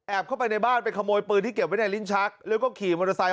เข้าไปในบ้านไปขโมยปืนที่เก็บไว้ในลิ้นชักแล้วก็ขี่มอเตอร์ไซค์